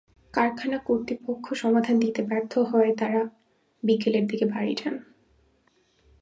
কারখানা কর্তৃপক্ষ সমাধান দিতে ব্যর্থ হওয়ায় তাঁরা বিকেলের দিকে বাড়ি চলে যান।